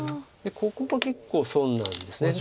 ここが結構損なんです。